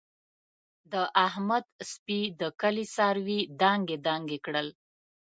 د احمد سپي د کلي څاروي دانګې دانګې کړل.